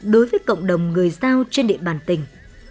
đối với cộng đồng người giao trên địa bàn tỉnh